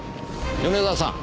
米沢さん。